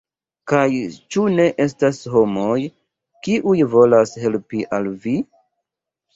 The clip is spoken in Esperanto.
Kaj ĉu ne estas homoj, kiuj volas helpi al vi?